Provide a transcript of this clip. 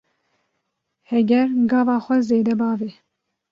Heger gava xwe zêde bavê